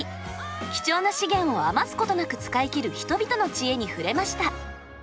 貴重な資源を余すことなく使い切る人々の知恵に触れました。